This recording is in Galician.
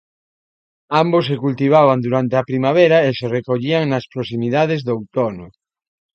Ambos se cultivaban durante a primavera e se recollían nas proximidades do outono.